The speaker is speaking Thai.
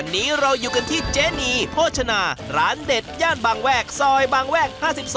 สิ้นที่เจนีโฮชนาร้านเด็ดแย่นบางแวกซอยบางแวก๕๒